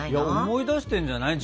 思い出してんじゃない？